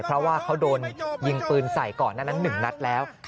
เพราะว่าเขาโดนยิงปืนใส่ก่อนหน้านั้น๑นัดแล้ว